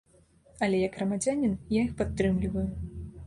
Але як грамадзянін я іх падтрымліваю.